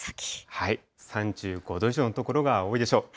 ３５度以上の所が多いでしょう。